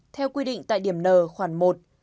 theo quy định tại điểm n khoảng một